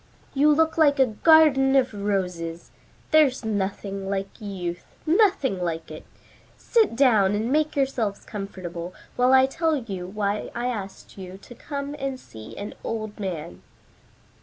"You look like a garden of roses. There's nothing like youth; nothing like it. Sit down and make yourselves comfortable while I tell you why I asked you to come and see an old man."